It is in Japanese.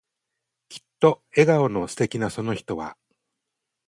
きっと笑顔の素敵なその人は、